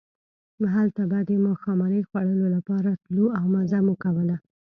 هلته به د ماښامنۍ خوړلو لپاره تلو او مزه مو کوله.